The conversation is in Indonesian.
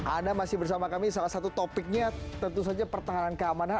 anda masih bersama kami salah satu topiknya tentu saja pertahanan keamanan